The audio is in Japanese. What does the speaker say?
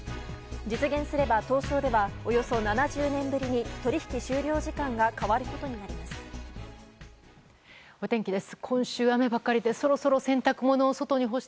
実現すれば東証ではおよそ７０年ぶりに取り引き終了時間が変わるお天気です。